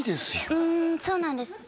うんそうなんです